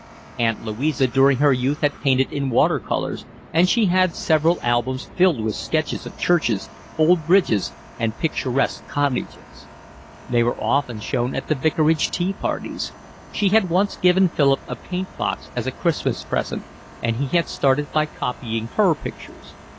Aunt Louisa during her youth had painted in water colours, and she had several albums filled with sketches of churches, old bridges, and picturesque cottages. They were often shown at the vicarage tea parties. She had once given Philip a paint box as a Christmas present, and he had started by copying her pictures.